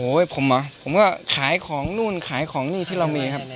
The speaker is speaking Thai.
โอ้ยผมอ่ะผมก็ขายของนู้นขายของนี่ที่เรามี